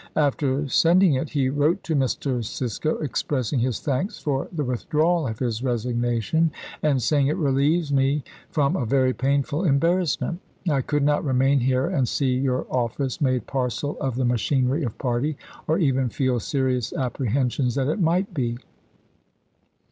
After sending it he wrote to Mr. Cisco expressing his thanks for the withdrawal of his resignation, and saying :" It relieves me from a very painful embarrassment. .. I could not remain here and see your office made parcel of the machinery of party, or even feel serious apprehensions that it might be."